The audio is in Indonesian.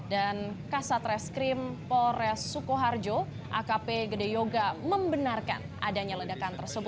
dan kasat reskrim polres sukoharjo akp gede yoga membenarkan